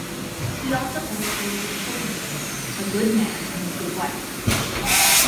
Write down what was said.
He also illustrated a children's book "A Good Man and His Good Wife".